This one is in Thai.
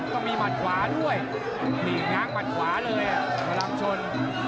ต้องมีหมัดขวาด้วยนี่ง้างหมัดขวาเลยพลังชน